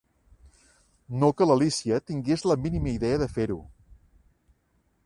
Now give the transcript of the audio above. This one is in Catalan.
No que l'Alícia tingués la mínima idea de fer-ho.